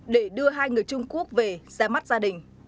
để đưa hai người trung quốc về ra mắt gia đình